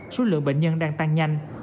số lượng bệnh nhân đang tăng nhanh